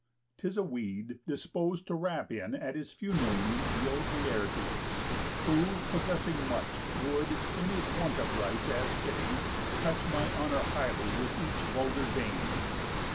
'Tis a weed Dispos'd to wrap in at his funeral need The old Laertes; who, possessing much, Would, in his want of rites as fitting, touch My honour highly with each vulgar dame.